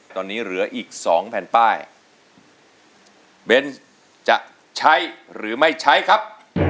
ตอนนี้เหลืออีกสองแผ่นป้ายเบนส์จะใช้หรือไม่ใช้ครับ